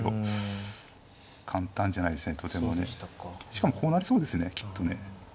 しかもこうなりそうですねきっとね。